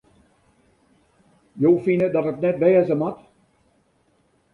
Jo fine dat it net wêze moat?